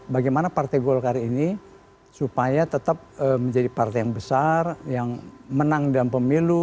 bagaimana partai golkar ini supaya tetap menjadi partai yang besar yang menang dalam pemilu